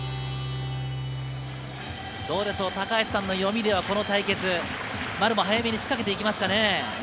高橋さんの読みでは、この対決、丸も早めに仕掛けていきますかね？